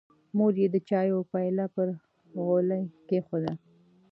مور یې د چایو پیاله پر غولي کېښوده.